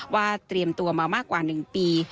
เตรียมตัวมามากกว่า๑ปี